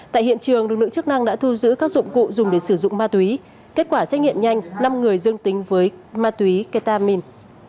tại hiện trường lực lượng chức năng đã thu giữ các dụng cụ dùng để sử dụng ma túy kết quả xét nghiệm nhanh năm người dương tính với ma túy ketamin